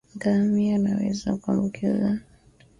Ngamia anaweza kuwaambukiza ndui ngamia wenzake